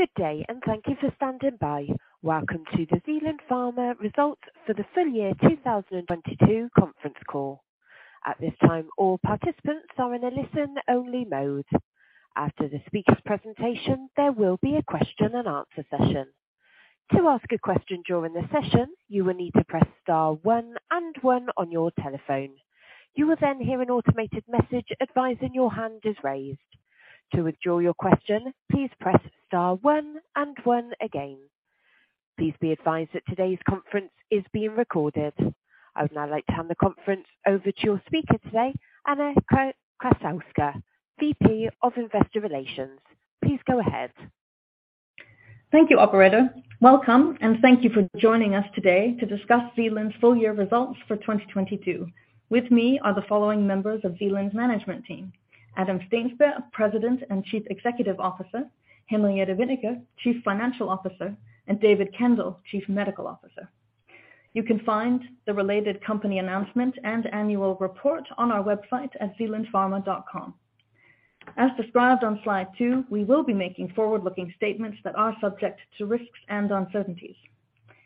Good day, thank you for standing by. Welcome to the Zealand Pharma Results for the full year 2022 conference call. At this time, all participants are in a listen-only mode. After the speaker presentation, there will be a question and answer session. To ask a question during the session, you will need to press star 1 and 1 on your telephone. You will then hear an automated message advising your hand is raised. To withdraw your question, please press star one and one again. Please be advised that today's conference is being recorded. I would now like to hand the conference over to your speaker today, Anna Krassowska, VP of Investor Relations. Please go ahead. Thank you, operator. Welcome, and thank you for joining us today to discuss Zealand's full year results for 2022. With me are the following members of Zealand's management team: Adam Steensberg, President and Chief Executive Officer, Henriette Wennicke, Chief Financial Officer, and David Kendall, Chief Medical Officer. You can find the related company announcement and annual report on our website at zealandpharma.com. As described on slide two, we will be making forward-looking statements that are subject to risks and uncertainties.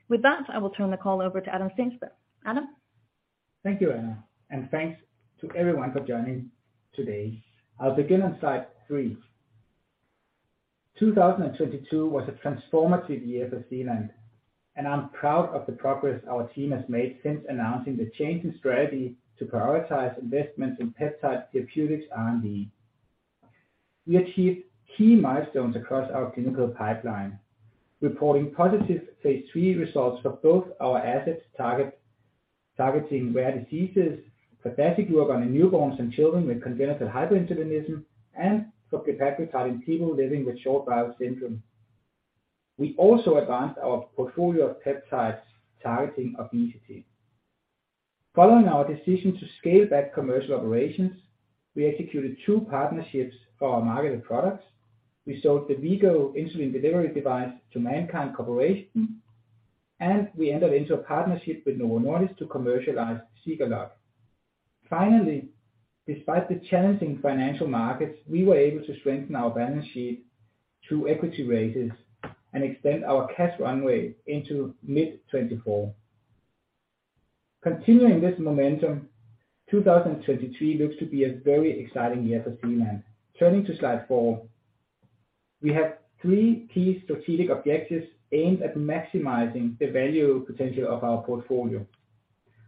With that, I will turn the call over to Adam Steensberg. Adam? Thank you, Anna. Thanks to everyone for joining today. I'll begin on slide three. 2022 was a transformative year for Zealand, and I'm proud of the progress our team has made since announcing the change in strategy to prioritize investments in peptide therapeutics R&D. We achieved key milestones across our clinical pipeline, reporting positive phase III results for both our assets targeting rare diseases for basic work on newborns and children with congenital hyperinsulinism, and for glepaglutide in people living with short bowel syndrome. We also advanced our portfolio of peptides targeting obesity. Following our decision to scale back commercial operations, we executed two partnerships for our marketed products. We sold the V-Go Insulin Delivery Device to MannKind Corporation, and we entered into a partnership with Novo Nordisk to commercialize ZEGALOGUE. Finally, despite the challenging financial markets, we were able to strengthen our balance sheet through equity raises and extend our cash runway into mid-2024. Continuing this momentum, 2023 looks to be a very exciting year for Zealand. Turning to slide four. We have three key strategic objectives aimed at maximizing the value potential of our portfolio.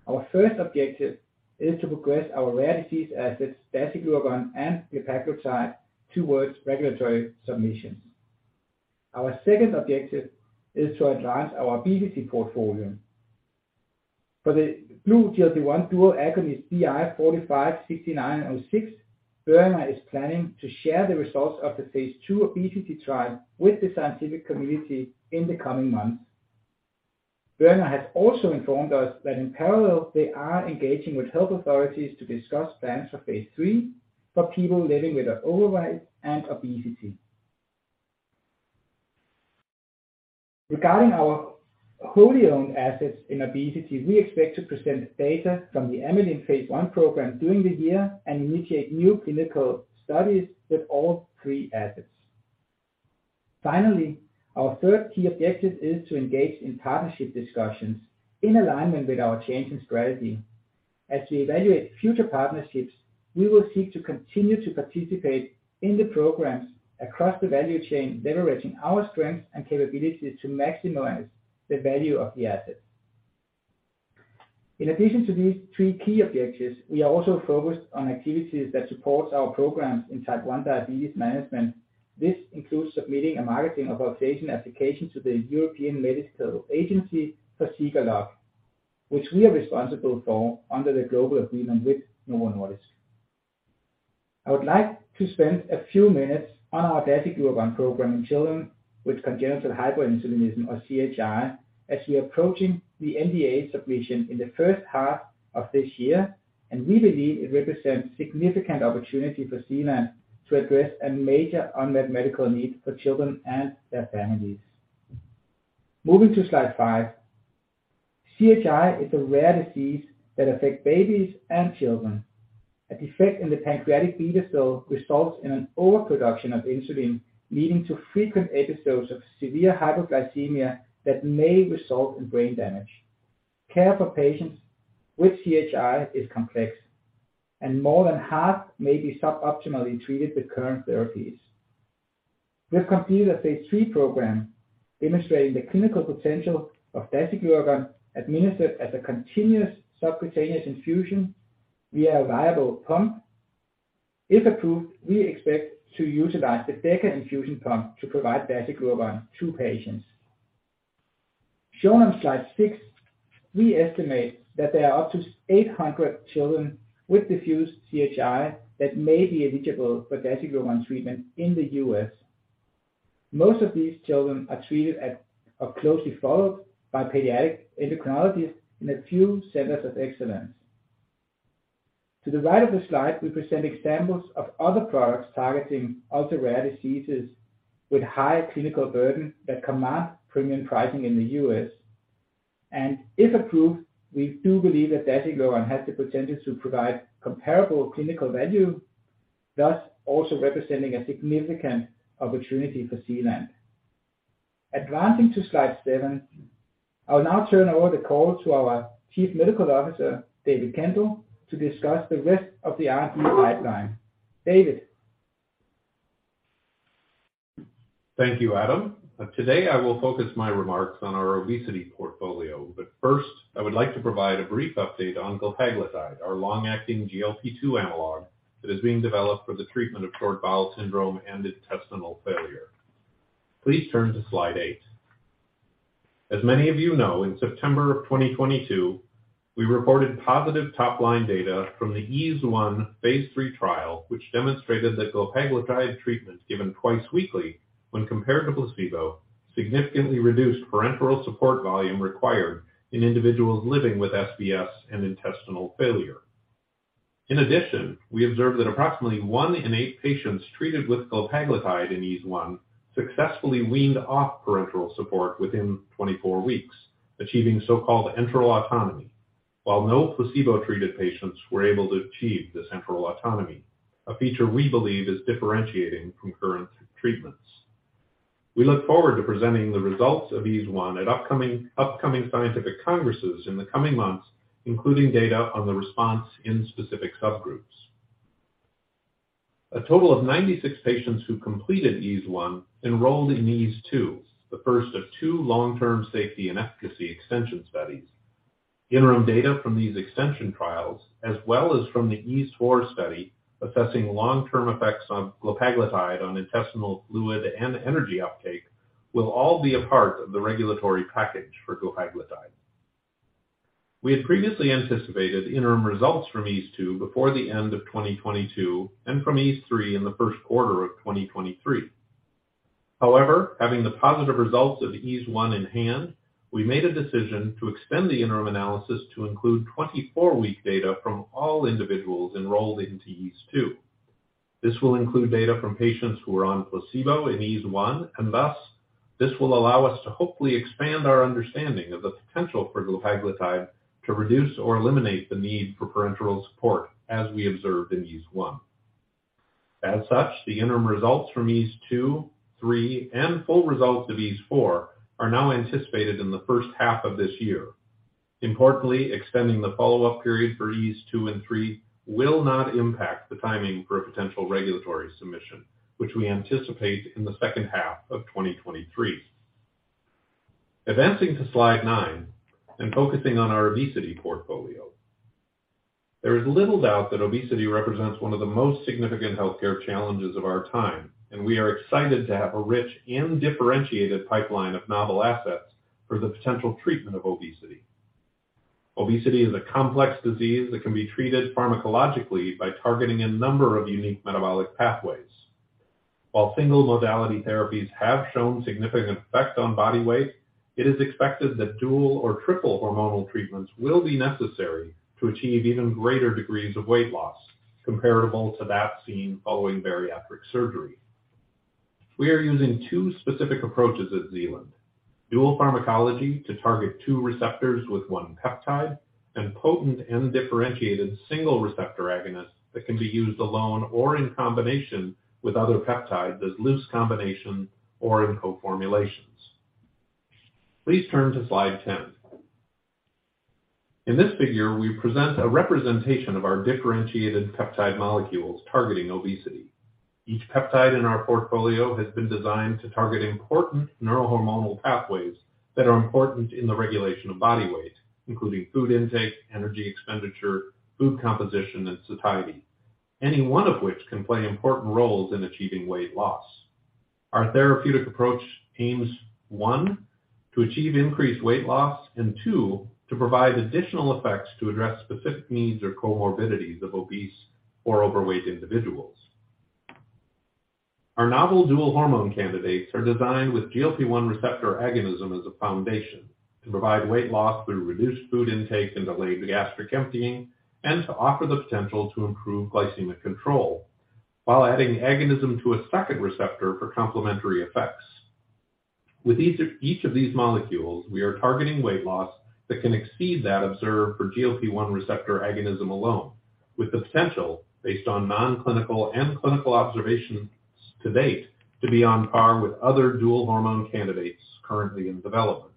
Our first objective is to progress our rare disease assets, dasiglucagon and glepaglutide, towards regulatory submissions. Our second objective is to advance our obesity portfolio. For the GLP-1 dual agonist BI 456906, Vernal is planning to share the results of the phase II obesity trial with the scientific community in the coming months. Vernal has also informed us that in parallel, they are engaging with health authorities to discuss plans for phase III for people living with overweight and obesity. Regarding our wholly owned assets in obesity, we expect to present data from the amylin phase I program during the year and initiate new clinical studies with all three assets. Finally, our third key objective is to engage in partnership discussions in alignment with our change in strategy. As we evaluate future partnerships, we will seek to continue to participate in the programs across the value chain, leveraging our strengths and capabilities to maximize the value of the assets. In addition to these three key objectives, we are also focused on activities that support our programs in type 1 diabetes management. This includes submitting a marketing authorization application to the European Medical Agency for ZEGALOGUE, which we are responsible for under the global agreement with Novo Nordisk. I would like to spend a few minutes on our dasiglucagon program in children with congenital hyperinsulinism or CHI as we are approaching the NDA submission in the first half of this year, and we believe it represents significant opportunity for Zealand to address a major unmet medical need for children and their families. Moving to slide 5. CHI is a rare disease that affect babies and children. A defect in the pancreatic beta cell results in an overproduction of insulin, leading to frequent episodes of severe hypoglycemia that may result in brain damage. Care for patients with CHI is complex, and more than half may be suboptimally treated with current therapies. We've completed a phase III program demonstrating the clinical potential of dasiglucagon administered as a continuous subcutaneous infusion via a viable pump. If approved, we expect to utilize the DEKA infusion pump to provide dasiglucagon to patients. Shown on slide 6, we estimate that there are up to 800 children with diffuse CHI that may be eligible for dasiglucagon treatment in the US. Most of these children are treated at or closely followed by pediatric endocrinologists in a few centers of excellence. To the right of the slide, we present examples of other products targeting ultra-rare diseases with high clinical burden that command premium pricing in the US. If approved, we do believe that dasiglucagon has the potential to provide comparable clinical value, thus also representing a significant opportunity for Zealand. Advancing to slide seven. I'll now turn over the call to our Chief Medical Officer, David Kendall, to discuss the rest of the R&D pipeline. David? Thank you, Adam. Today, I will focus my remarks on our obesity portfolio. First, I would like to provide a brief update on glepaglutide, our long-acting GLP-2 analog that is being developed for the treatment of short bowel syndrome and intestinal failure. Please turn to slide eight. As many of you know, in September 2022, we reported positive top-line data from the EASE-1 Phase III trial, which demonstrated that glepaglutide treatments given twice weekly when compared to placebo, significantly reduced parenteral support volume required in individuals living with SBS and intestinal failure. In addition, we observed that approximately one in eight patients treated with glepaglutide in EASE-1 successfully weaned off parenteral support within 24 weeks, achieving so-called enteral autonomy, while no placebo-treated patients were able to achieve this enteral autonomy, a feature we believe is differentiating from current treatments. We look forward to presenting the results of EASE-1 at upcoming scientific congresses in the coming months, including data on the response in specific subgroups. A total of 96 patients who completed EASE-1 enrolled in EASE-2, the first of two long-term safety and efficacy extension studies. Interim data from these extension trials, as well as from the EASE-4 study assessing long-term effects on glepaglutide on intestinal fluid and energy uptake, will all be a part of the regulatory package for glepaglutide. We had previously anticipated interim results from EASE-2 before the end of 2022, and from EASE-3 in the first quarter of 2023. Having the positive results of EASE-1 in hand, we made a decision to extend the interim analysis to include 24 week data from all individuals enrolled into EASE-2. This will include data from patients who were on placebo in EASE-1, and thus, this will allow us to hopefully expand our understanding of the potential for glepaglutide to reduce or eliminate the need for parenteral support, as we observed in EASE-1. As such, the interim results from EASE-2, EASE-3, and full results of EASE-4 are now anticipated in the first half of this year. Importantly, extending the follow-up period for EASE-2 and EASE-3 will not impact the timing for a potential regulatory submission, which we anticipate in the second half of 2023. Advancing to slide 9 and focusing on our obesity portfolio. There is little doubt that obesity represents one of the most significant healthcare challenges of our time, and we are excited to have a rich and differentiated pipeline of novel assets for the potential treatment of obesity. Obesity is a complex disease that can be treated pharmacologically by targeting a number of unique metabolic pathways. While single modality therapies have shown significant effect on body weight, it is expected that dual or triple hormonal treatments will be necessary to achieve even greater degrees of weight loss comparable to that seen following bariatric surgery. We are using two specific approaches at Zealand: dual pharmacology to target two receptors with one peptide, and potent and differentiated single receptor agonists that can be used alone or in combination with other peptides as loose combinations or in co-formulations. Please turn to slide 10. In this figure, we present a representation of our differentiated peptide molecules targeting obesity. Each peptide in our portfolio has been designed to target important neurohormonal pathways that are important in the regulation of body weight, including food intake, energy expenditure, food composition, and satiety, any one of which can play important roles in achieving weight loss. Our therapeutic approach aims, one, to achieve increased weight loss, and two, to provide additional effects to address specific needs or comorbidities of obese or overweight individuals. Our novel dual hormone candidates are designed with GLP-1 receptor agonism as a foundation to provide weight loss through reduced food intake and delayed gastric emptying, and to offer the potential to improve glycemic control while adding agonism to a second receptor for complementary effects. With each of these molecules, we are targeting weight loss that can exceed that observed for GLP-1 receptor agonism alone, with the potential based on non-clinical and clinical observations to date, to be on par with other dual hormone candidates currently in development.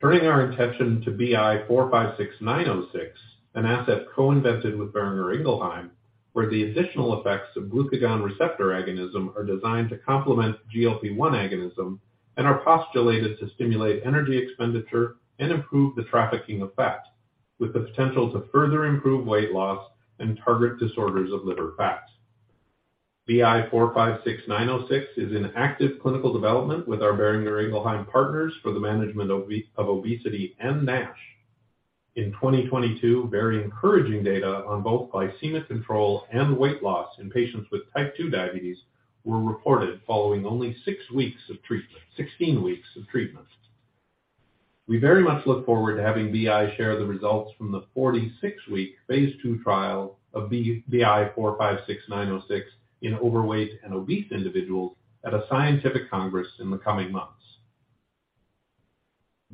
Turning our attention to BI 456906, an asset co-invented with Boehringer Ingelheim, where the additional effects of glucagon receptor agonism are designed to complement GLP-1 agonism and are postulated to stimulate energy expenditure and improve the trafficking of fat with the potential to further improve weight loss and target disorders of liver fat. BI 456906 is in active clinical development with our Boehringer Ingelheim partners for the management of obesity and NASH. In 2022, very encouraging data on both glycemic control and weight loss in patients with type 2 diabetes were reported following only six weeks of 16 weeks of treatment. We very much look forward to having BI share the results from the 46-week phase II trial of BI 456906 in overweight and obese individuals at a scientific congress in the coming months.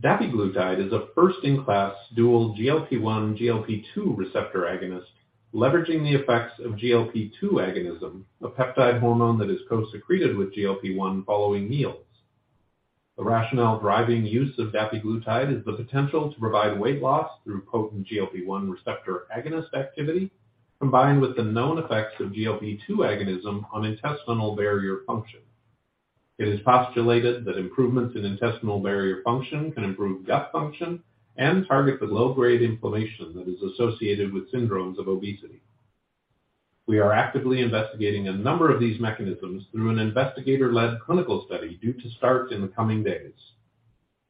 Dapiglutide is a first-in-class dual GLP-1, GLP-2 receptor agonist leveraging the effects of GLP-2 agonism, a peptide hormone that is co-secreted with GLP-1 following meals. The rationale driving use of dapiglutide is the potential to provide weight loss through potent GLP-1 receptor agonist activity, combined with the known effects of GLP-2 agonism on intestinal barrier function. It is postulated that improvements in intestinal barrier function can improve gut function and target the low-grade inflammation that is associated with syndromes of obesity. We are actively investigating a number of these mechanisms through an investigator-led clinical study due to start in the coming days.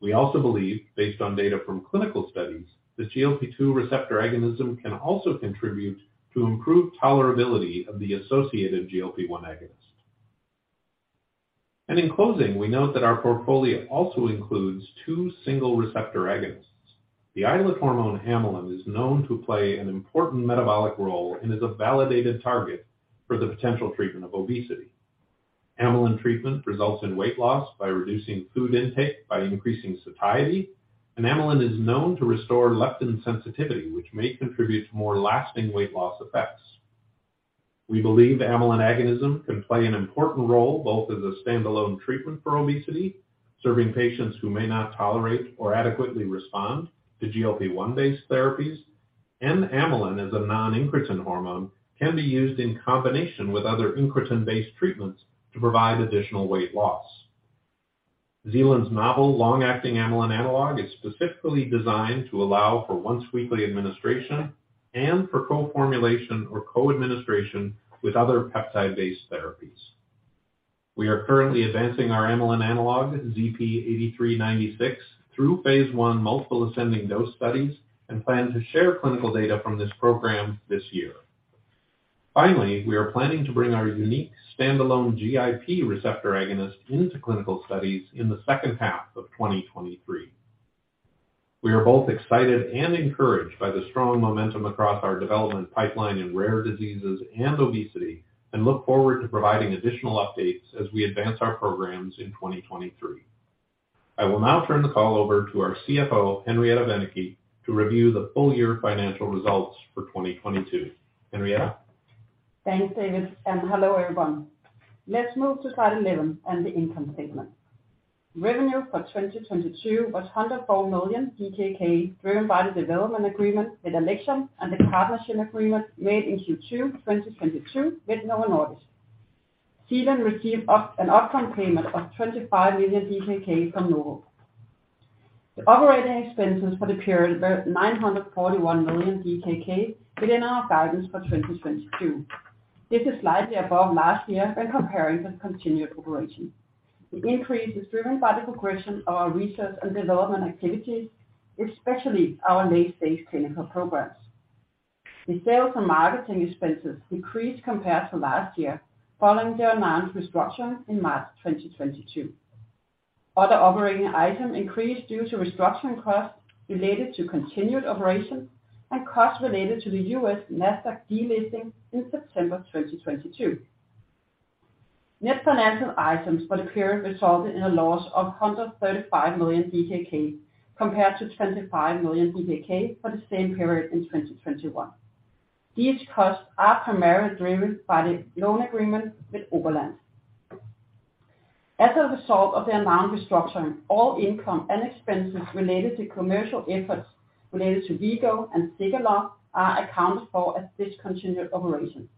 We also believe, based on data from clinical studies, that GLP-2 receptor agonism can also contribute to improved tolerability of the associated GLP-1 agonist. In closing, we note that our portfolio also includes two single receptor agonists. The islet hormone amylin is known to play an important metabolic role and is a validated target for the potential treatment of obesity. Amylin treatment results in weight loss by reducing food intake by increasing satiety, and amylin is known to restore leptin sensitivity, which may contribute to more lasting weight loss effects. We believe amylin agonism can play an important role both as a standalone treatment for obesity, serving patients who may not tolerate or adequately respond to GLP-1 based therapies. Amylin, as a non-incretin hormone, can be used in combination with other incretin-based treatments to provide additional weight loss. Zealand's novel long-acting amylin analog is specifically designed to allow for once weekly administration and for co-formulation or co-administration with other peptide-based therapies. We are currently advancing our amylin analog, ZP8396, through phase I multiple ascending dose studies, and plan to share clinical data from this program this year. Finally, we are planning to bring our unique standalone GIP receptor agonist into clinical studies in the second half of 2023. We are both excited and encouraged by the strong momentum across our development pipeline in rare diseases and obesity, and look forward to providing additional updates as we advance our programs in 2023. I will now turn the call over to our CFO, Henriette Wennicke, to review the full year financial results for 2022. Henriette? Thanks, David, hello everyone. Let's move to slide 11 and the income statement. Revenue for 2022 was 104 million DKK, driven by the development agreement with Alexion and the partnership agreement made in Q2 2022 with Novo Nordisk. Zealand received an upfront payment of 25 million DKK from Novo. The operating expenses for the period were 941 million DKK within our guidance for 2022. This is slightly above last year when comparing the continued operation. The increase is driven by the progression of our research and development activities, especially our late-stage clinical programs. The sales and marketing expenses decreased compared to last year following the announced restructuring in March 2022. Other operating items increased due to restructuring costs related to continued operations and costs related to the US Nasdaq delisting in September 2022. Net financial items for the period resulted in a loss of 135 million DKK, compared to 25 million DKK for the same period in 2021. These costs are primarily driven by the loan agreement with Oberland. As a result of the announced restructuring, all income and expenses related to commercial efforts related to V-Go and ZEGALOGUE are accounted for as discontinued operations.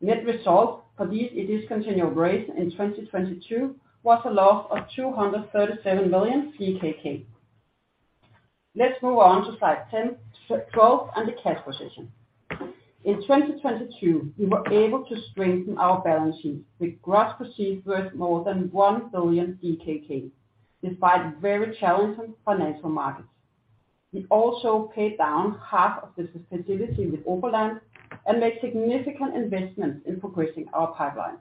Net results for these discontinued operations in 2022 was a loss of 237 million. Let's move on to slide 12 and the cash position. In 2022, we were able to strengthen our balance sheet with gross proceeds worth more than 1 billion, despite very challenging financial markets. We also paid down half of the facility with Oberland and made significant investments in progressing our pipeline.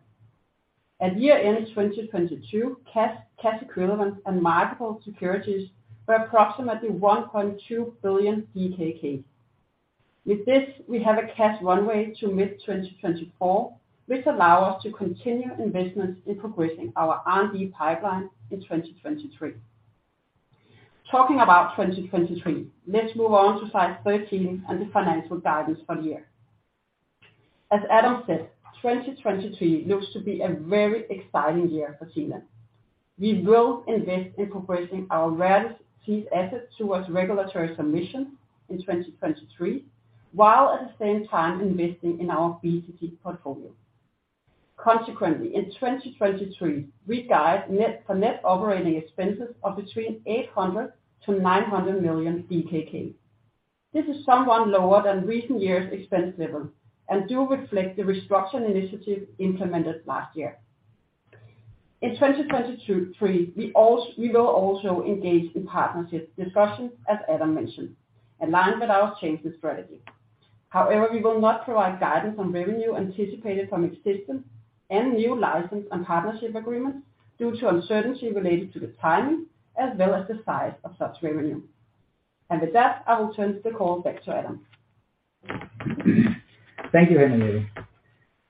At year-end 2022, cash equivalents, and marketable securities were approximately 1.2 billion DKK. With this, we have a cash runway to mid-2024, which allow us to continue investments in progressing our R&D pipeline in 2023. Talking about 2023, let's move on to slide 13 and the financial guidance for the year. As Adam said, 2023 looks to be a very exciting year for Zealand. We will invest in progressing our rarest disease assets towards regulatory submission in 2023, while at the same time investing in our BTD portfolio. Consequently, in 2023, we guide for net operating expenses of between 800 million-900 million DKK. This is somewhat lower than recent years' expense level and do reflect the restructuring initiative implemented last year. In 2022-2023, we will also engage in partnership discussions, as Adam mentioned, aligned with our changing strategy. However, we will not provide guidance on revenue anticipated from existing and new license and partnership agreements due to uncertainty related to the timing as well as the size of such revenue. With that, I will turn the call back to Adam. Thank you, Henriette.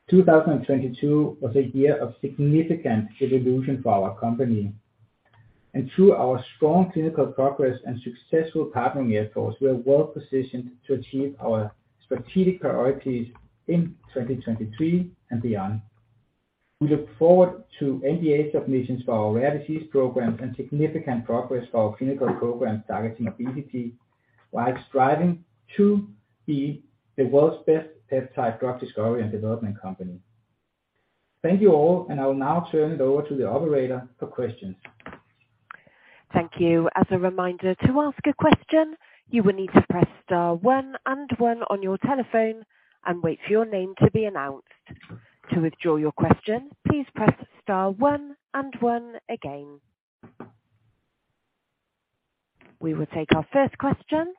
2022 was a year of significant evolution for our company, and through our strong clinical progress and successful partnering efforts, we are well positioned to achieve our strategic priorities in 2023 and beyond. We look forward to NDA submissions for our rare disease programs and significant progress for our clinical programs targeting obesity, while striving to be the world's best peptide drug discovery and development company. Thank you all, and I will now turn it over to the operator for questions. Thank you. As a reminder, to ask a question, you will need to press star one and one on your telephone and wait for your name to be announced. To withdraw your question, please press star one and one again. We will take our first question.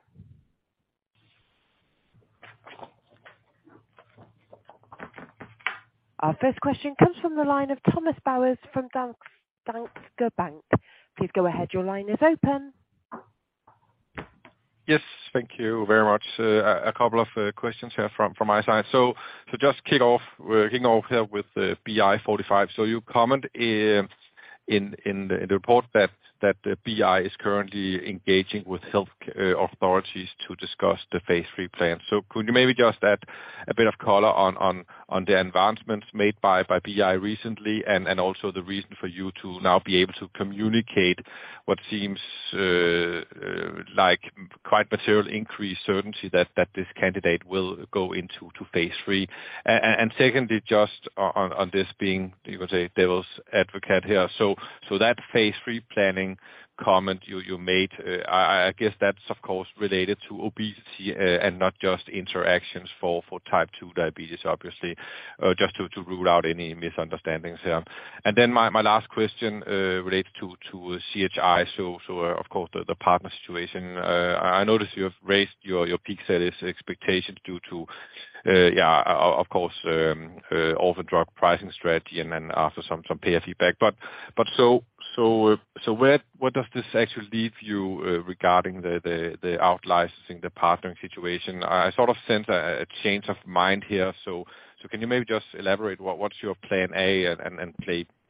Our first question comes from the line of Thomas Bowers from Danske Bank. Please go ahead. Your line is open. Yes, thank you very much. A couple of questions here from my side. To just kick off, we're kicking off here with BI-45. You comment in the report that BI is currently engaging with health authorities to discuss the phase three plan. Could you maybe just add a bit of color on the advancements made by BI recently and also the reason for you to now be able to communicate what seems like quite material increased certainty that this candidate will go into phase three? And secondly, just on this being, you could say, devil's advocate here. So that phase 3 planning comment you made, I guess that's of course, related to obesity and not just interactions for type 2 diabetes, obviously, just to rule out any misunderstandings here. My last question related to CHI. Of course, the partner situation. I notice you have raised your peak sales expectations due to, yeah, of course, offer drug pricing strategy and then after some payer feedback. So what does this actually leave you regarding the out licensing, the partnering situation? I sort of sense a change of mind here. Can you maybe just elaborate what's your plan A and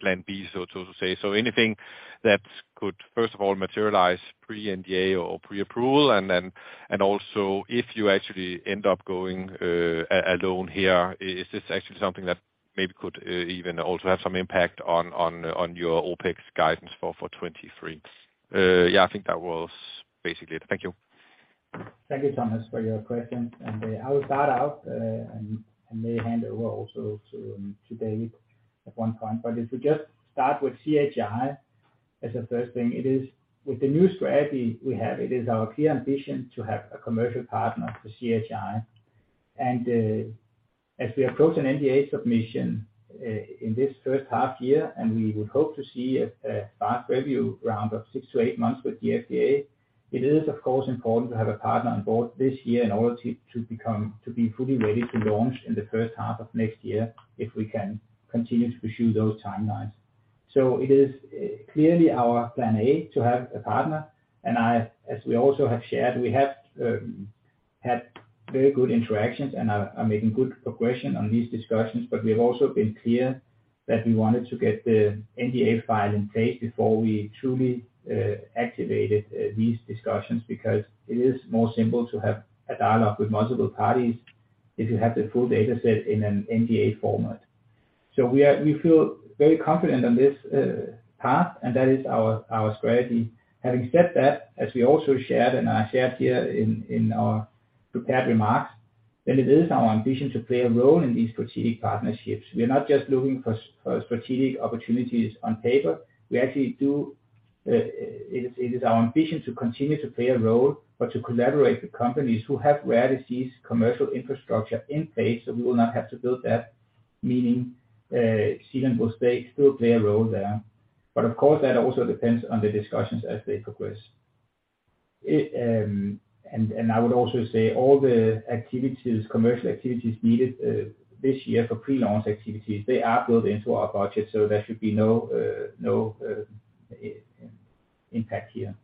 plan B, so to say. Anything that could, first of all materialize pre-NDA or pre-approval, and also if you actually end up going alone here, is this actually something that maybe could even also have some impact on your OpEx guidance for 23? Yeah, I think that was basically it. Thank you. Thank you, Thomas, for your questions. I will start out, and may hand over also to David at one point. If we just start with CHI as a first thing, it is with the new strategy we have, it is our clear ambition to have a commercial partner for CHI. As we approach an NDA submission, in this first half year, and we would hope to see a fast review round of 6-8 months with the FDA, it is of course important to have a partner on board this year in order to be fully ready to launch in the first half of next year if we can continue to pursue those timelines. It is clearly our plan A to have a partner. I, as we also have shared, we have had very good interactions and are making good progression on these discussions. We have also been clear that we wanted to get the NDA file in place before we truly activated these discussions because it is more simple to have a dialogue with multiple parties if you have the full data set in an NDA format. We feel very confident on this path, and that is our strategy. Having said that, as we also shared and I shared here in our prepared remarks, it is our ambition to play a role in these strategic partnerships. We are not just looking for strategic opportunities on paper. We actually do, it is our ambition to continue to play a role, but to collaborate with companies who have rare disease commercial infrastructure in place, so we will not have to build that. Meaning, Zealand will still play a role there. Of course, that also depends on the discussions as they progress. I would also say all the activities, commercial activities needed this year for pre-launch activities, they are built into our budget, so there should be no impact here.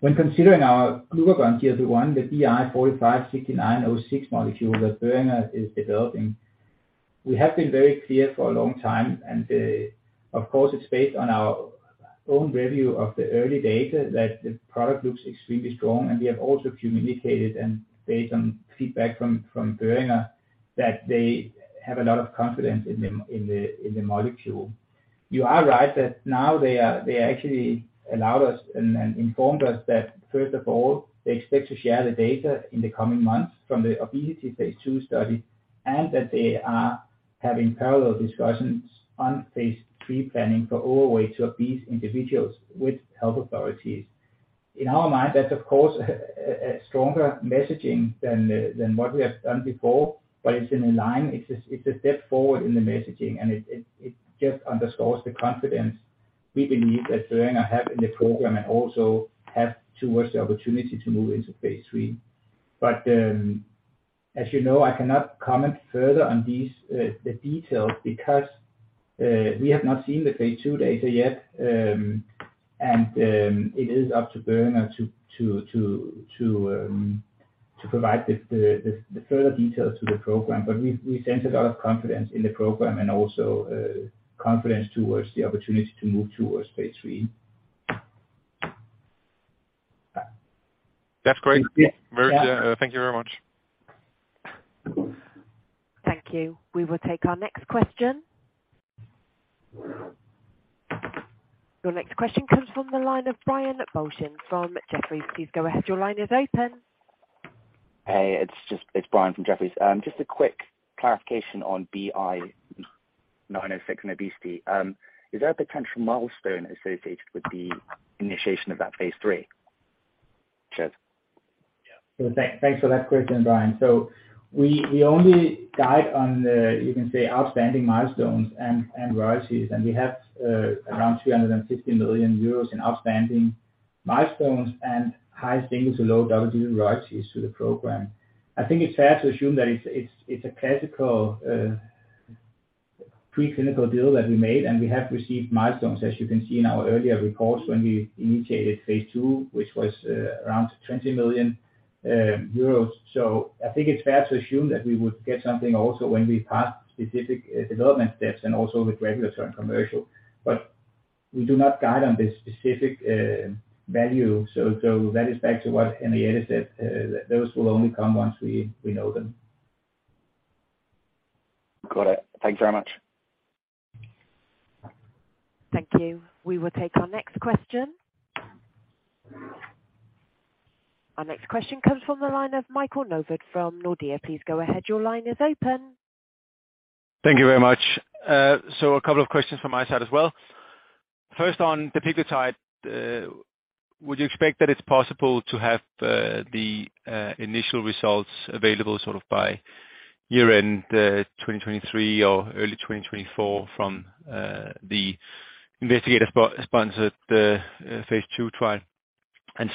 When considering our glucagon/GLP-1, the BI 456906 molecule that Boehringer is developing, we have been very clear for a long time, of course, it's based on our own review of the early data that the product looks extremely strong. We have also communicated and based on feedback from Boehringer that they have a lot of confidence in the molecule. You are right that now they actually allowed us and informed us that first of all, they expect to share the data in the coming months from the obesity phase II study, and that they are having parallel discussions on phase III planning for overweight to obese individuals with health authorities. In our mind, that's of course, a stronger messaging than what we have done before, but it's in line. It's a step forward in the messaging, and it just underscores the confidence we believe that Boehringer have in the program and also have towards the opportunity to move into phase III. As you know, I cannot comment further on these details because we have not seen the phase II data yet. It is up to Boehringer to provide the further details to the program. We sense a lot of confidence in the program and also confidence towards the opportunity to move towards phase III. That's great. Yeah. Thank you very much. Thank you. We will take our next question. Your next question comes from the line of Brian Balchin from Jefferies. Please go ahead. Your line is open. Hey, it's Brian from Jefferies. Just a quick clarification on BI906 and obesity. Is there a potential milestone associated with the initiation of that phase three? Cheers. Thanks for that question, Brian. We only guide on the, you can say, outstanding milestones and royalties, and we have around 350 million euros in outstanding milestones and high singles to low double-digit royalties to the program. I think it's fair to assume that it's a classical pre-clinical deal that we made, and we have received milestones, as you can see in our earlier reports when we initiated phase II, which was around 20 million euros. I think it's fair to assume that we would get something also when we pass specific development steps and also with regulatory and commercial. We do not guide on the specific value. That is back to what Henriette said, that those will only come once we know them. Got it. Thank you very much. Thank you. We will take our next question. Our next question comes from the line of Michael Novod from Nordea. Please go ahead. Your line is open. Thank you very much. A couple of questions from my side as well. First, on the peglutide, would you expect that it's possible to have the initial results available sort of by year-end 2023 or early 2024 from the investigator-sponsored phase 2 trial?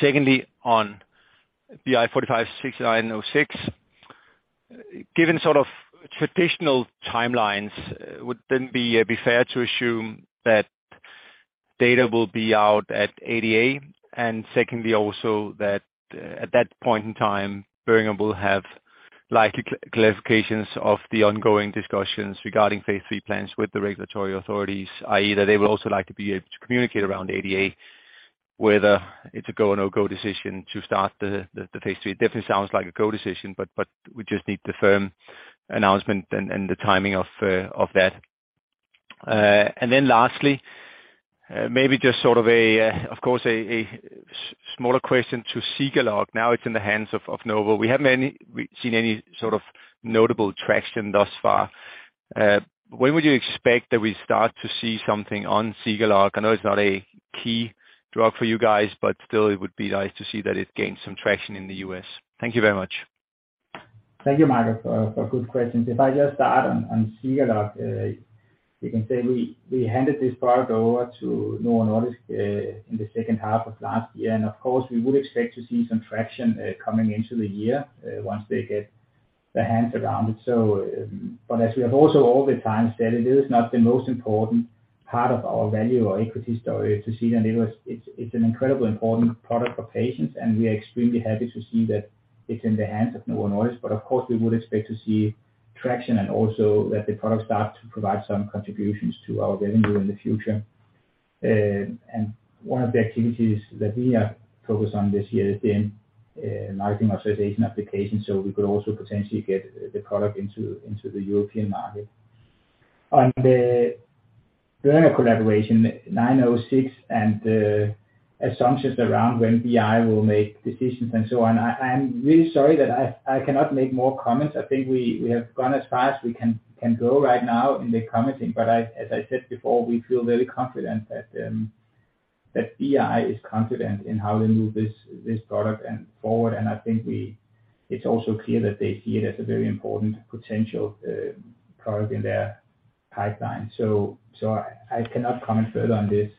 Secondly, on BI 456906, given sort of traditional timelines, would then be fair to assume that data will be out at ADA? Secondly, also that at that point in time, Boehringer will have likely clarifications of the ongoing discussions regarding phase 3 plans with the regulatory authorities, i.e., that they would also like to be able to communicate around ADA whether it's a go or no-go decision to start the phase 3. It definitely sounds like a go decision, but we just need the firm announcement and the timing of that. Lastly, maybe just sort of a, of course a smaller question to ZEGALOGUE. Now it's in the hands of Novo. We haven't seen any sort of notable traction thus far. When would you expect that we start to see something on ZEGALOGUE? I know it's not a key drug for you guys, but still it would be nice to see that it gains some traction in the U.S. Thank you very much. Thank you, Michael, for good questions. If I just start on ZEGALOGUE, you can say we handed this product over to Novo Nordisk in the second half of last year. Of course, we would expect to see some traction coming into the year once they get their hands around it. As we have also all the time said it is not the most important part of our value or equity story to see that It's an incredibly important product for patients, and we are extremely happy to see that it's in the hands of Novo Nordisk. Of course, we would expect to see traction and also that the product start to provide some contributions to our revenue in the future. One of the activities that we are focused on this year has been marketing authorisation application, so we could also potentially get the product into the European market. On the Boehringer collaboration, 906 and assumptions around when BI will make decisions and so on. I'm really sorry that I cannot make more comments. I think we have gone as far as we can go right now in the commenting. I, as I said before, we feel very confident that BI is confident in how they move this product and forward. It's also clear that they see it as a very important potential product in their pipeline. I cannot comment further on this.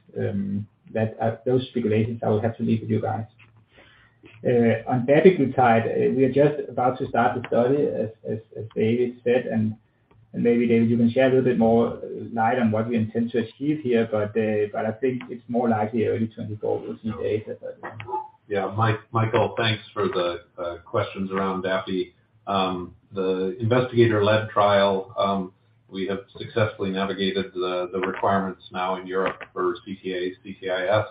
That those speculations I will have to leave with you guys. On dapiglutide we are just about to start the study as David said, and maybe, David, you can shed a little bit more light on what we intend to achieve here. I think it's more likely early 2024 we'll see data by then. Michael, thanks for the questions around dapiglutide. The investigator-led trial, we have successfully navigated the requirements now in Europe for CTAs, CTIs.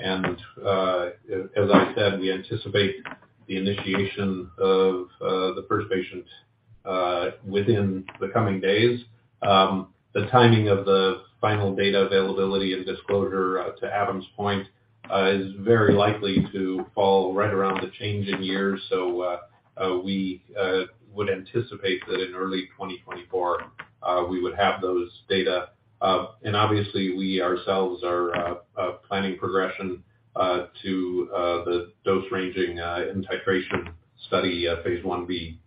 As I said, we anticipate the initiation of the first patient within the coming days. The timing of the final data availability and disclosure, to Adam's point, is very likely to fall right around the change in years. We would anticipate that in early 2024, we would have those data. Obviously we ourselves are planning progression to the dose ranging in titration study, phase 1B.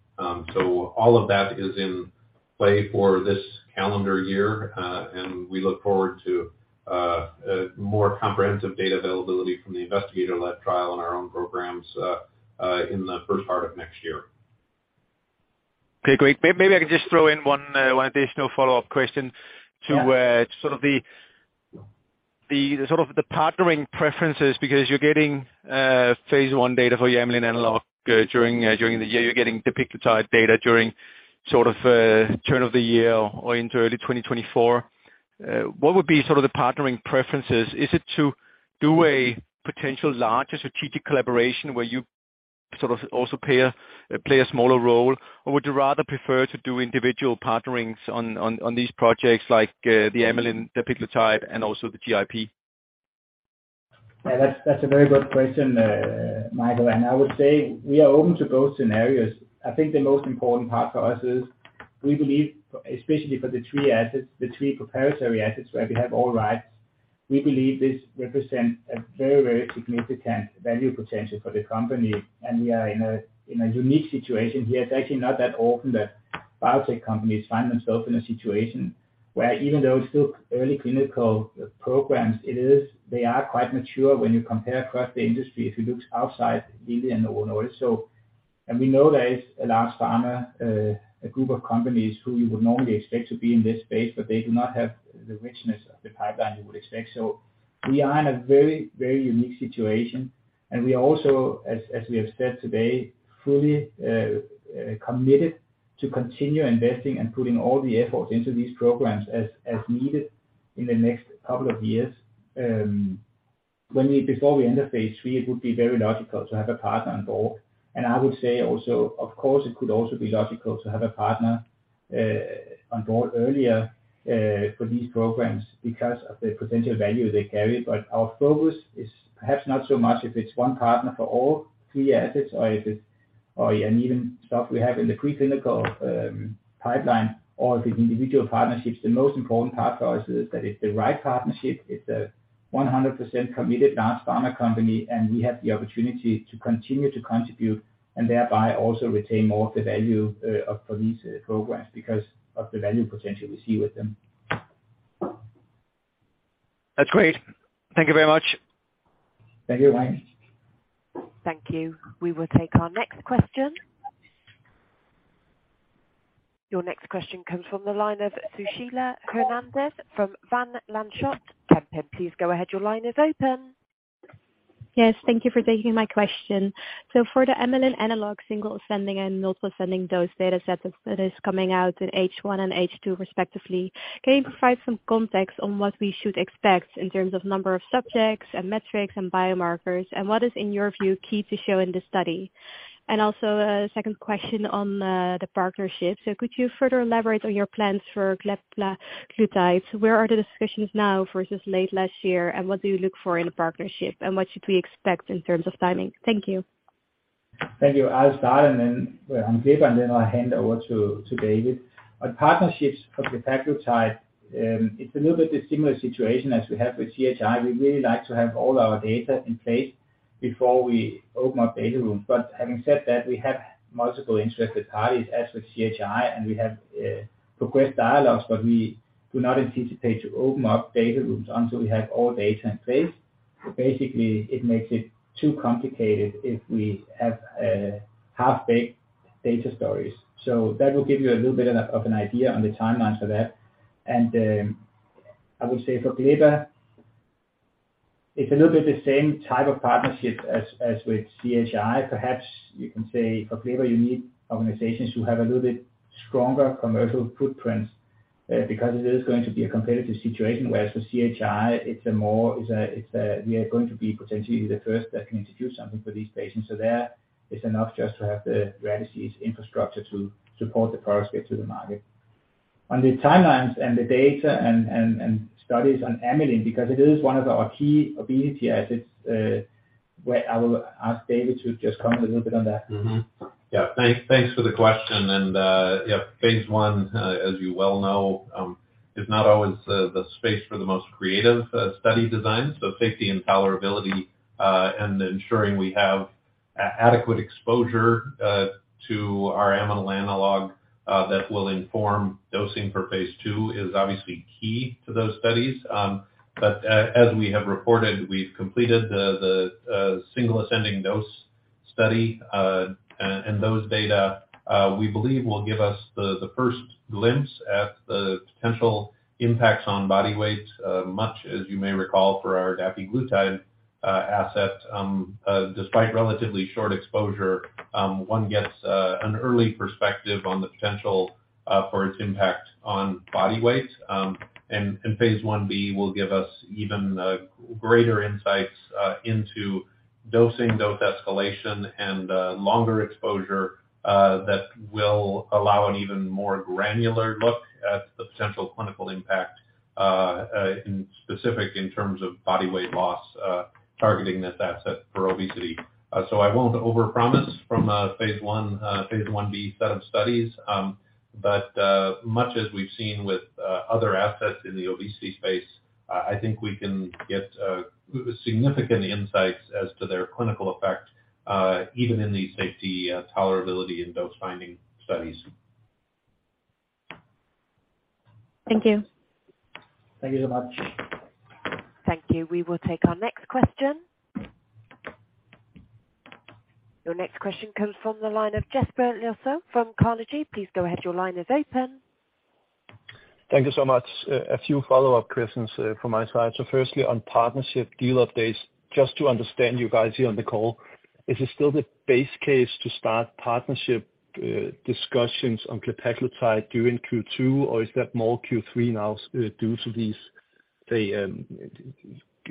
All of that is in play for this calendar year, and we look forward to more comprehensive data availability from the investigator-led trial on our own programs in the first part of next year. Okay, great. Maybe I can just throw in one additional follow-up question to. Yeah sort of the partnering preferences, because you're getting phase 1 data for your amylin analogue during the year. You're getting the picotide data during sort of turn of the year or into early 2024. What would be sort of the partnering preferences? Is it to do a potential larger strategic collaboration where you sort of also play a smaller role? Or would you rather prefer to do individual partnerings on these projects like the amylin, the picotide, and also the GIP? Yeah, that's a very good question, Michael. I would say we are open to both scenarios. I think the most important part for us is we believe, especially for the three assets, the three preparatory assets where we have all rights, we believe this represents a very, very significant value potential for the company. We are in a unique situation here. It's actually not that often that biotech companies find themselves in a situation where even though it's still early clinical programs, they are quite mature when you compare across the industry, if you look outside Eli Lilly and Novo Nordisk. We know there is a large pharma, a group of companies who you would normally expect to be in this space, but they do not have the richness of the pipeline you would expect. We are in a very, very unique situation, and we also, as we have said today, fully committed to continue investing and putting all the effort into these programs as needed in the next couple of years. When we before we end the phase 3, it would be very logical to have a partner on board. I would say also, of course, it could also be logical to have a partner on board earlier for these programs because of the potential value they carry. Our focus is perhaps not so much if it's one partner for all 3 assets or if it's or, and even stuff we have in the pre-clinical pipeline or if it's individual partnerships. The most important part for us is that it's the right partnership. It's a 100% committed large pharma company. We have the opportunity to continue to contribute and thereby also retain more of the value for these programs because of the value potential we see with them. That's great. Thank you very much. Thank you, Michael. Thank you. We will take our next question. Your next question comes from the line of Sushila Hernandez from Van Lanschot Kempen. Please go ahead. Your line is open. Yes, thank you for taking my question. For the amylin analogue, single ascending and multiple ascending dose data set that is coming out in H1 and H2 respectively, can you provide some context on what we should expect in terms of number of subjects and metrics and biomarkers? What is, in your view, key to show in this study? Also a second question on the partnership. Could you further elaborate on your plans for glepaglutide? Where are the discussions now versus late last year? And what do you look for in a partnership? And what should we expect in terms of timing? Thank you. Thank you. I'll start and then on glepa, and then I'll hand over to David. On partnerships for the glepaglutide, it's a little bit similar situation as we have with CHI. We really like to have all our data in place before we open up data rooms. Having said that, we have multiple interested parties, as with CHI, and we have progressed dialogues, but we do not anticipate to open up data rooms until we have all data in place. Basically, it makes it too complicated if we have half-baked data stories. That will give you a little bit of an idea on the timelines for that. I would say for glepa, it's a little bit the same type of partnership as with CHI. Perhaps you can say for glepa, you need organizations who have a little bit stronger commercial footprint, because it is going to be a competitive situation, whereas for CHI it's a more, we are going to be potentially the first that can introduce something for these patients. There it's enough just to have the Radicee's infrastructure to support the product, get to the market. On the timelines and the data and studies on amylin, because it is one of our key obesity assets, where I will ask David to just comment a little bit on that. Mm-hmm. Yeah. Thanks for the question. Yeah, phase I, as you well know, is not always the space for the most creative study designs. So safety and tolerability, and ensuring we have adequate exposure to our amylin analog, that will inform dosing for phase II is obviously key to those studies. But as we have reported, we've completed the single ascending dose study. Those data, we believe will give us the first glimpse at the potential impacts on body weight, much as you may recall for our dapiglutide asset. Despite relatively short exposure, one gets an early perspective on the potential for its impact on body weight. Phase 1B will give us even greater insights into dosing, dose escalation and longer exposure that will allow an even more granular look at the potential clinical impact in specific in terms of body weight loss, targeting this asset for obesity. I won't overpromise from phase 1, phase 1B set of studies. Much as we've seen with other assets in the obesity space, I think we can get significant insights as to their clinical effect even in these safety, tolerability and dose finding studies. Thank you. Thank you so much. Thank you. We will take our next question. Your next question comes from the line of Jesper Ilsøe from Carnegie. Please go ahead. Your line is open. Thank you so much. A few follow-up questions, from my side. Firstly, on partnership deal updates, just to understand you guys here on the call, is it still the base case to start partnership discussions on glepaglutide during Q2, or is that more Q3 now due to these, the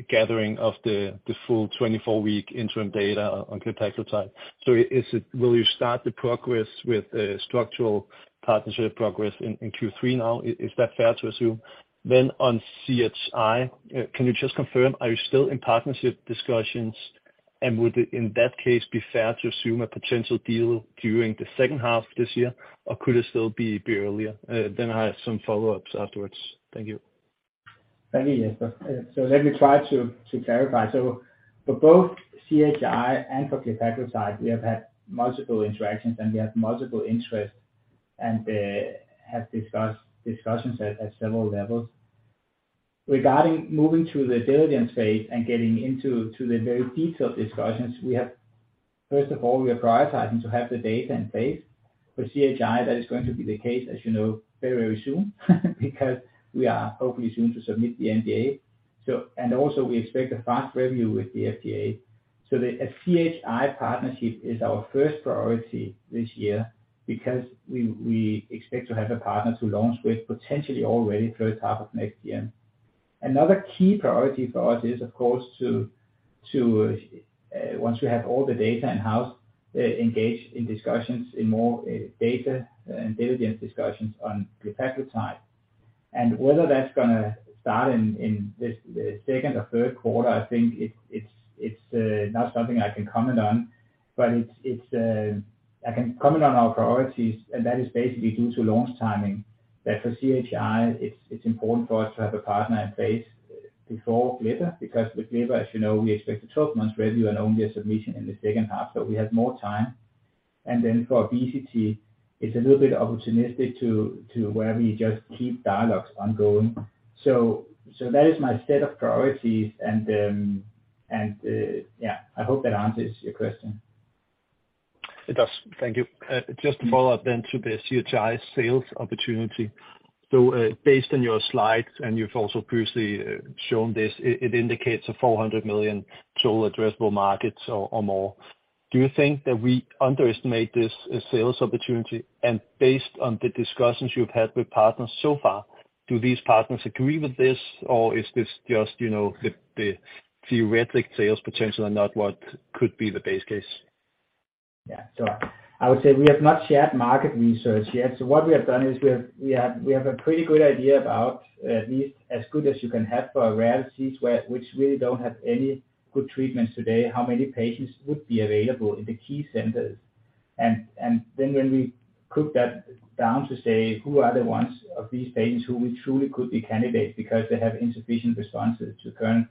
gathering of the full 24-week interim data on glepaglutide? Will you start the progress with a structural partnership progress in Q3 now? Is that fair to assume? On CHI, can you just confirm, are you still in partnership discussions and would, in that case, be fair to assume a potential deal during the second half this year, or could it still be earlier? I have some follow-ups afterwards. Thank you. Thank you, Jesper. Let me try to clarify. For both CHI and for glepaglutide, we have had multiple interactions, and we have multiple interests, and have discussed discussions at several levels. Regarding moving to the diligence phase and getting into the very detailed discussions we have, first of all, we are prioritizing to have the data in place. For CHI, that is going to be the case, as you know, very, very soon because we are hoping soon to submit the NDA. Also we expect a fast review with the FDA. The CHI partnership is our first priority this year because we expect to have a partner to launch with potentially already first half of next year. Another key priority for us is, of course, to once we have all the data in-house, engage in discussions in more data and diligence discussions on glepaglutide. Whether that's gonna start in this, the second or third quarter, I think it's not something I can comment on, but it's I can comment on our priorities, and that is basically due to launch timing. That for CHI, it's important for us to have a partner in place before Glyburide because with Glyburide, as you know, we expect a 12 months review and only a submission in the second half, so we have more time. Then for obesity, it's a little bit opportunistic to where we just keep dialogues ongoing. That is my set of priorities. Yeah, I hope that answers your question. It does. Thank you. Just to follow up then to the CHI sales opportunity. Based on your slides, and you've also previously shown this, it indicates a 400 million total addressable markets or more. Do you think that we underestimate this sales opportunity? Based on the discussions you've had with partners so far, do these partners agree with this, or is this just, you know, the theoretical sales potential and not what could be the base case? I would say we have not shared market research yet. What we have done is we have a pretty good idea about at least as good as you can have for a rare disease where, which really don't have any good treatments today, how many patients would be available in the key centers. Then when we cook that down to say who are the ones of these patients who we truly could be candidates because they have insufficient responses to current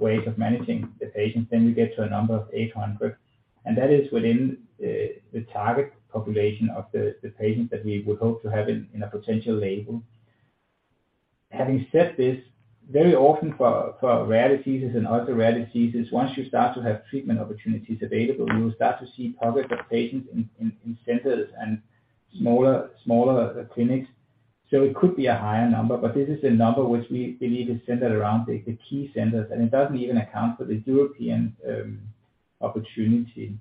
ways of managing the patients, then we get to a number of 800, and that is within the target population of the patients that we would hope to have in a potential label. Having said this, very often for rare diseases and ultra-rare diseases, once you start to have treatment opportunities available, you will start to see pockets of patients in centers and smaller clinics. It could be a higher number, but this is a number which we believe is centered around the key centers, and it doesn't even account for the European opportunity.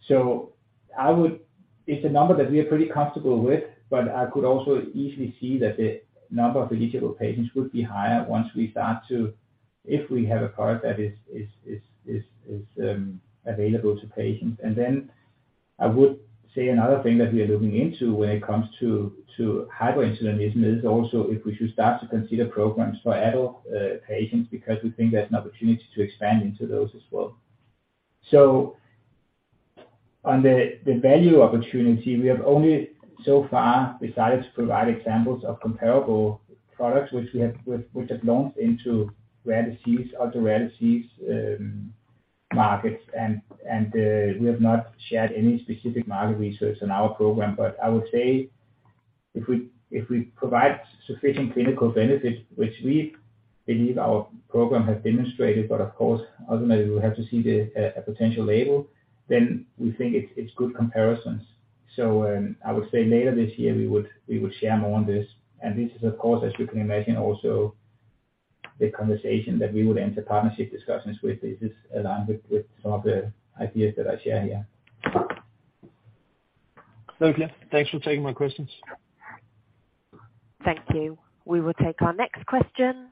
It's a number that we are pretty comfortable with, but I could also easily see that the number of eligible patients would be higher once we start to, if we have a product that is available to patients. Then I would say another thing that we are looking into when it comes to hyperinsulinemia is also if we should start to consider programs for adult patients, because we think there's an opportunity to expand into those as well. On the value opportunity, we have only so far decided to provide examples of comparable products which we have, which have launched into rare disease, ultra-rare disease markets. We have not shared any specific market research on our program. I would say if we provide sufficient clinical benefits, which we believe our program has demonstrated, but of course ultimately we have to see the potential label, then we think it's good comparisons. I would say later this year we would share more on this. This is of course, as you can imagine also the conversation that we would enter partnership discussions with is aligned with some of the ideas that I share here. Very clear. Thanks for taking my questions. Thank you. We will take our next question.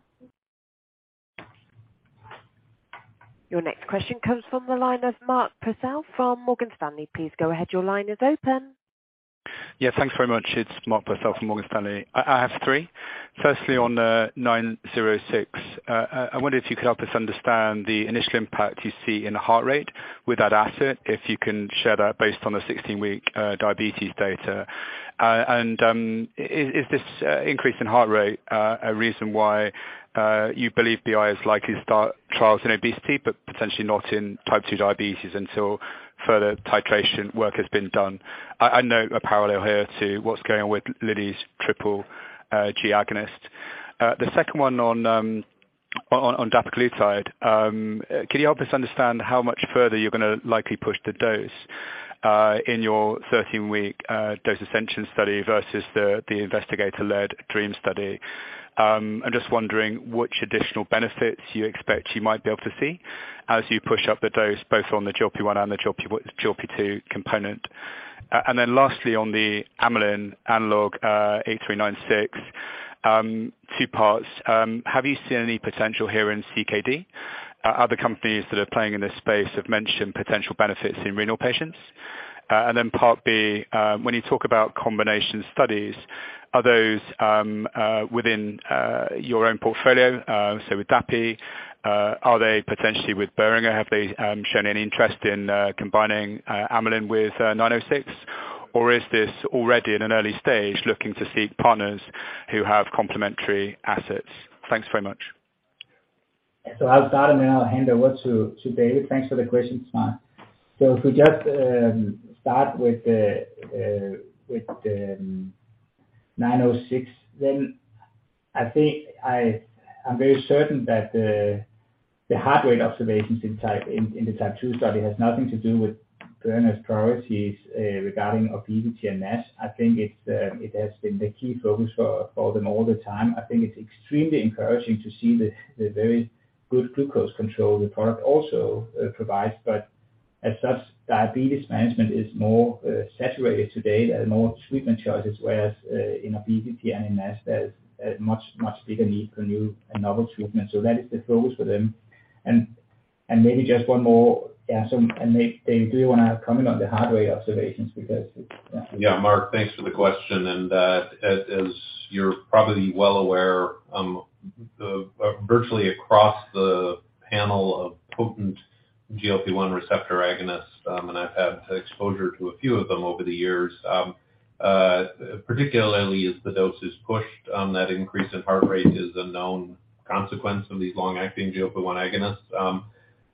Your next question comes from the line of Mark Purcell from Morgan Stanley. Please go ahead. Your line is open. Thanks very much. It's Mark Purcell from Morgan Stanley. I have 3. Firstly, on nine zero six, I wonder if you could help us understand the initial impact you see in the heart rate with that asset, if you can share that based on the 16-week diabetes data. And, is this increase in heart rate a reason why you believe BI is likely to start trials in obesity but potentially not in type 2 diabetes until further titration work has been done? I know a parallel here to what's going on with Lilly's triple G agonist. The second one on dapagliflozin. Can you help us understand how much further you're gonna likely push the dose in your 13-week dose ascension study versus the investigator-led DREAM study? I'm just wondering which additional benefits you expect you might be able to see as you push up the dose both on the GLP-1 and the GLP-2 component. Lastly, on the amylin analogue, ZP8396, two parts. Have you seen any potential here in CKD? Other companies that are playing in this space have mentioned potential benefits in renal patients. Part B, when you talk about combination studies, are those within your own portfolio, say with Dappy? Are they potentially with Boehringer? Have they shown any interest in combining amylin with 906? Or is this already in an early stage looking to seek partners who have complementary assets? Thanks very much. I'll start, and then I'll hand over to David. Thanks for the question, Mark. If we just start with the 906, then I think I'm very certain that the heart rate observations in the Type 2 study has nothing to do with Boehringer's priorities regarding obesity and NASH. I think it's been the key focus for them all the time. I think it's extremely encouraging to see the very good glucose control the product also provides. As such, diabetes management is more saturated today. There are more treatment choices, whereas in obesity and NASH, there's a much bigger need for new and novel treatments. That is the focus for them. And maybe just one more. Yeah, they do wanna comment on the heart rate observations because. Yeah, Mark, thanks for the question. That as you're probably well aware, the virtually across the panel of potent GLP-1 receptor agonist, and I've had exposure to a few of them over the years, particularly as the dose is pushed, that increase in heart rate is a known consequence of these long-acting GLP-1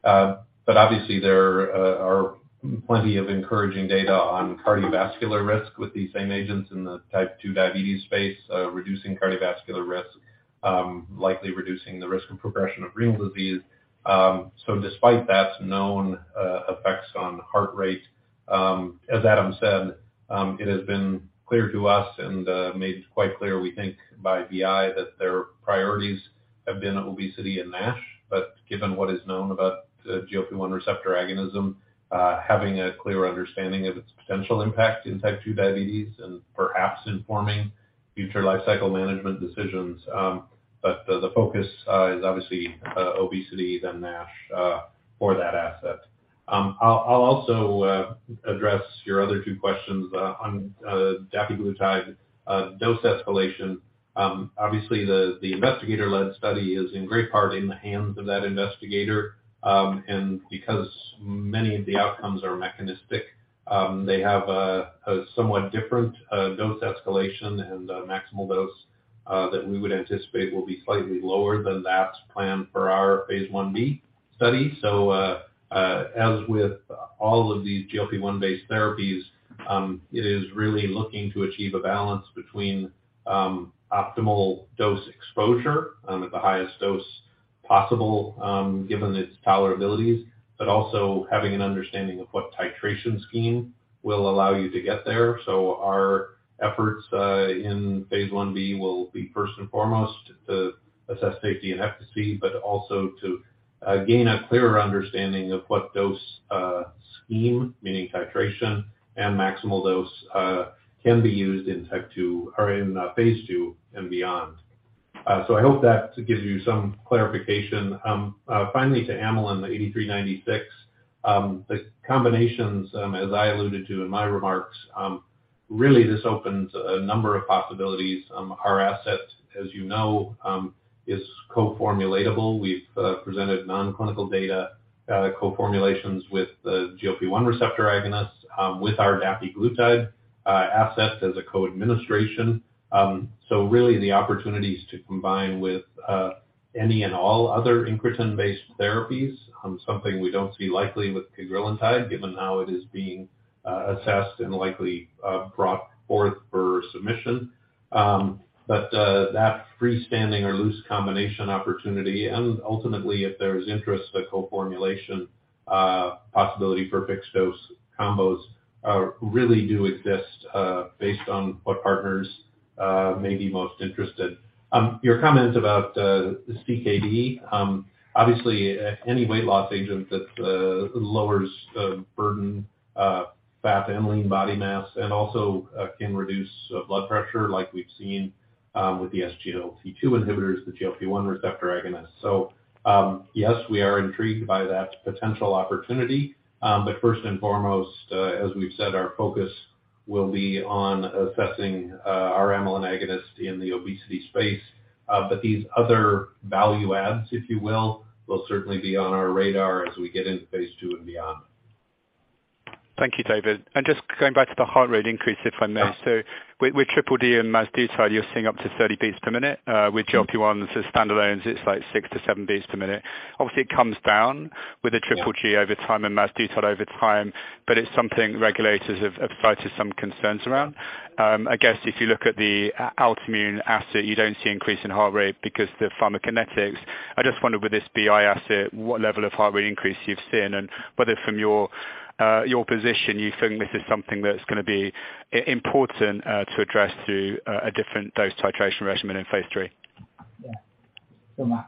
agonists. But obviously there are plenty of encouraging data on cardiovascular risk with these same agents in the Type 2 diabetes space, reducing cardiovascular risk, likely reducing the risk of progression of renal disease. Despite that known effects on heart rate, as Adam said, it has been clear to us and made quite clear, we think, by BI that their priorities have been obesity and NASH. Given what is known about the GLP-1 receptor agonism, having a clear understanding of its potential impact in Type 2 diabetes and perhaps informing future lifecycle management decisions. The focus is obviously obesity then NASH for that asset. I'll also address your other 2 questions on dapagliflozin dose escalation. Obviously the investigator-led study is in great part in the hands of that investigator. Because many of the outcomes are mechanistic, they have a somewhat different dose escalation and maximal dose that we would anticipate will be slightly lower than that planned for our phase 1B study. As with all of these GLP-1 based therapies, it is really looking to achieve a balance between optimal dose exposure at the highest dose possible, given its tolerabilities, but also having an understanding of what titration scheme will allow you to get there. Our efforts in phase 1B will be first and foremost to assess safety and efficacy, but also to gain a clearer understanding of what dose scheme, meaning titration and maximal dose, can be used in Type 2 or in phase 2 and beyond. I hope that gives you some clarification. Finally to amylin, the 8396. The combinations, as I alluded to in my remarks, really this opens a number of possibilities. Our asset, as you know, is co-formulatable. We've presented non-clinical data, co-formulations with the GLP-1 receptor agonists, with our dapagliflozin asset as a co-administration. Really the opportunities to combine with any and all other incretin-based therapies, something we don't see likely with pegloticase given how it is being assessed and likely brought forth for submission. That freestanding or loose combination opportunity and ultimately, if there is interest, a co-formulation possibility for fixed-dose combos really do exist based on what partners may be most interested. Your comment about CKD, obviously any weight loss agent that lowers the burden, fat and lean body mass and also can reduce blood pressure like we've seen with the SGLT2 inhibitors, the GLP-1 receptor agonist. Yes, we are intrigued by that potential opportunity. First and foremost, as we've said, our focus will be on assessing our amylin agonist in the obesity space. These other value adds, if you will certainly be on our radar as we get into phase two and beyond. Thank you, David. Just going back to the heart rate increase, if I may. With triple D and masitide, you're seeing up to 30 beats per minute. With GLP-1 as standalones, it's like six to seven beats per minute. Obviously, it comes down with a triple G over time and masitide over time, but it's something regulators have cited some concerns around. I guess if you look at the Altimmune asset, you don't see increase in heart rate because the pharmacokinetics. I just wondered with this BI asset, what level of heart rate increase you've seen, and whether from your position, you think this is something that's gonna be important to address through a different dose titration regimen in phase III. Yeah. Mark,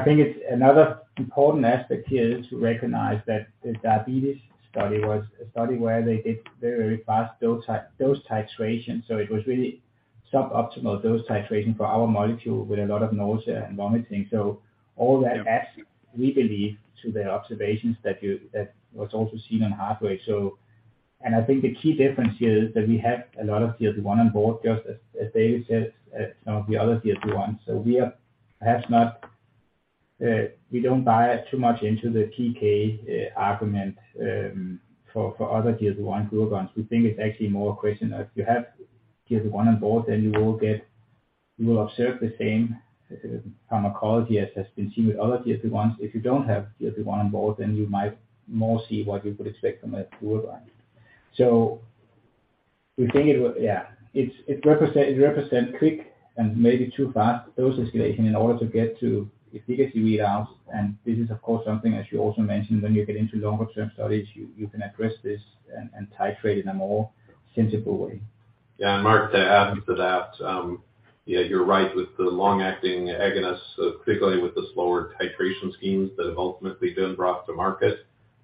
I think it's another important aspect here is to recognize that the diabetes study was a study where they did very fast dose titration. It was really suboptimal dose titration for our molecule with a lot of nausea and vomiting. All that adds, we believe, to the observations that was also seen on heart rate. I think the key difference here is that we have a lot of GLP-1 on board, just as David said, some of the other GLP-1. We are perhaps not, we don't buy too much into the TK argument for other GLP-1 programs. We think it's actually more a question of you have GLP-1 on board, you will observe the same pharmacology as we've seen with other GLP-1s. If you don't have GLP-1 on board, you might more see what you would expect from a 21. We think it will. Yeah. It's, it represent quick and maybe too fast dose escalation in order to get to efficacy readouts. This is, of course, something, as you also mentioned, when you get into longer term studies, you can address this and titrate in a more sensible way. Yeah. Mark, to add to that, yeah, you're right with the long acting agonists, particularly with the slower titration schemes that have ultimately been brought to market.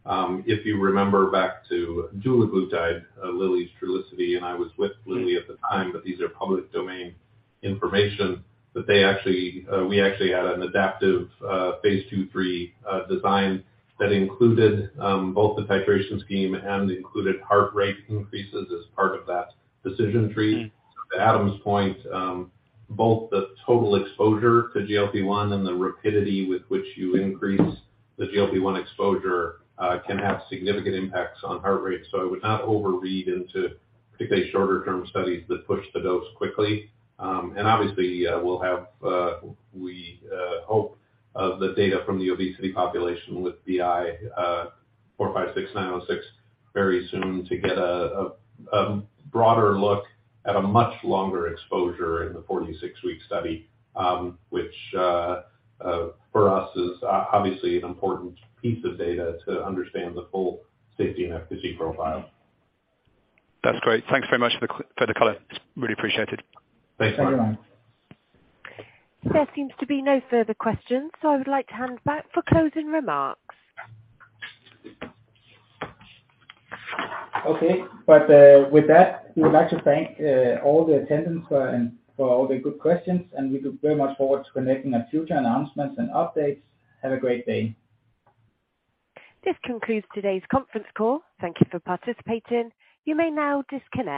If you remember back to dulaglutide, Lilly's Trulicity, and I was with Lilly at the time, but these are public domain information. They actually, we actually had an adaptive, phase II/III design that included both the titration scheme and included heart rate increases as part of that decision tree. To Adam's point, both the total exposure to GLP-1 and the rapidity with which you increase the GLP-1 exposure can have significant impacts on heart rate. I would not overread into particularly shorter term studies that push the dose quickly. Obviously, we'll have, we hope, the data from the obesity population with BI 456906 very soon to get a broader look at a much longer exposure in the 46-week study, which for us is obviously an important piece of data to understand the full safety and efficacy profile. That's great. Thanks very much for the color. It's really appreciated. Thanks, Mark. Thank you. There seems to be no further questions. I would like to hand back for closing remarks. With that, we would like to thank all the attendants for all the good questions, and we look very much forward to connecting at future announcements and updates. Have a great day. This concludes today's conference call. Thank you for participating. You may now disconnect.